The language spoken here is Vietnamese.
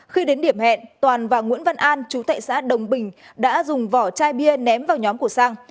khi đến điểm hẹn toàn và nguyễn văn an chú tệ xã đồng bình đã dùng vỏ chai bia ném vào nhóm của sang